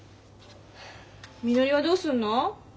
みのりはどうすんの？